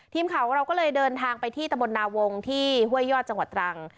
ทีมข่าวของเราก็เลยเดินทางไปที่ตะบลนาวงที่ห้วยยอดจังหวัดตรัง